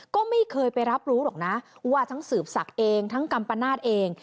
ก็ไม่เคยไปรับรู้หรอกนะว่าทั้งสืบศักดิ์เองทั้งกัมปนาศเอง